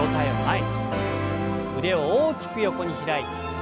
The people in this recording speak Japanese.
腕を大きく横に開いて。